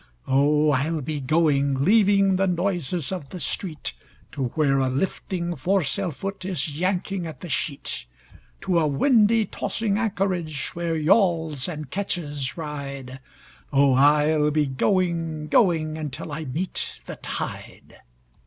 Oh I'll be going, leaving the noises of the street, To where a lifting foresail foot is yanking at the sheet; To a windy, tossing anchorage where yawls and ketches ride, Oh I'll be going, going, until I meet the tide.